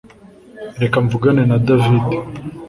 Reka mvugane na David